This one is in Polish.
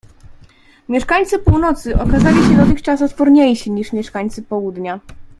"Mieszkańcy północy okazali się dotychczas odporniejsi niż mieszkańcy południa."